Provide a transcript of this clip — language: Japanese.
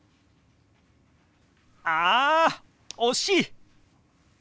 あ惜しい！